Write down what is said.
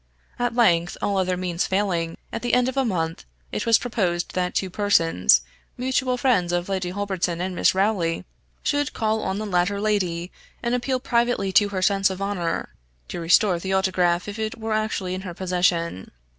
At length, all other means failing, at the end of a month, it was proposed that two persons, mutual friends of Lady Holberton and Miss Rowley, should call on the latter lady, and appeal privately to her sense of honor, to restore the autograph if it were actually in her possession.